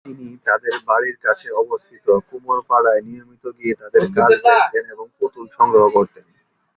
তিনি তাদের বাড়ির কাছে অবস্থিত কুমোরপাড়ায় নিয়মিত গিয়ে তাদের কাজ দেখতেন এবং পুতুল সংগ্রহ করতেন।